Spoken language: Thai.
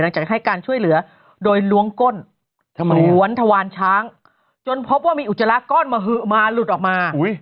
จากให้การช่วยเหลือโดยล้วงก้นสวนทวานช้างจนพบว่ามีอุจจาระก้อนมหือมาหลุดออกมา